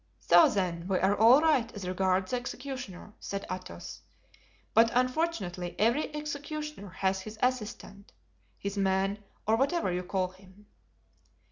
"So, then, we are all right as regards the executioner," said Athos; "but unfortunately every executioner has his assistant, his man, or whatever you call him."